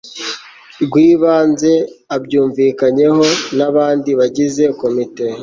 rw ibanze abyumvikanyeho n abandi bagize komite